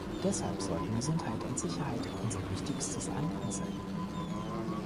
Deshalb sollten Gesundheit und Sicherheit unser wichtigstes Anliegen sein.